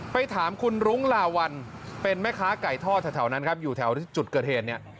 ไปถามคุณรุ้งลาวัลเป็นแม่ค้าไก่ทอดแถวนั้นครับอยู่แถวจุดเกิดเหตุเนี่ย